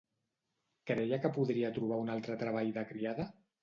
Creia que podria trobar un altre treball de criada?